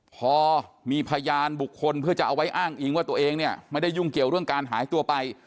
พอมีพยานบุคคลเพื่อจะเอาไว้อ้างอิงว่าตัวเองเนี่ยไม่ได้ยุ่งเกี่ยวเรื่องการหายตัวไป